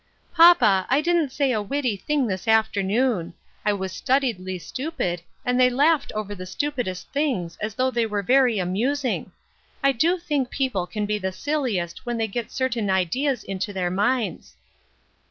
" Papa, I didn't say a witty thing this afternoon. I was studiedly stupid, and they laughed over the stupidest things as though they were very amusing. I do think people can be the silliest when they get certain ideas into their minds."